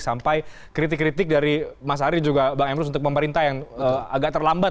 sampai kritik kritik dari mas ari dan juga bang emrus untuk pemerintah yang agak terlambat